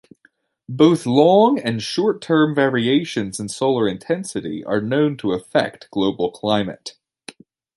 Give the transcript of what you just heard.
Both long- and short-term variations in solar intensity are known to affect global climate.